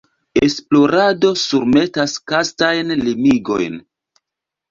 Esplorado surmetas kastajn limigojn.